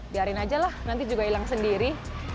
biarin aja lah nanti juga hilang sendiri